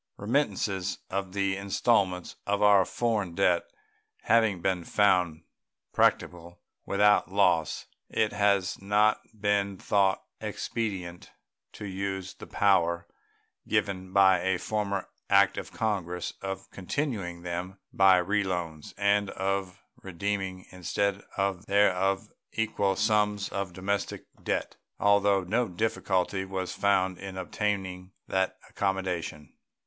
Remittances for the installments of our foreign debt having been found practicable without loss, it has not been thought expedient to use the power given by a former act of Congress of continuing them by reloans, and of redeeming instead thereof equal sums of domestic debt, although no difficulty was found in obtaining that accommodation.